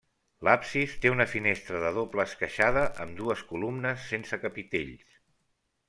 L'absis té una finestra de doble esqueixada amb dues columnes sense capitells.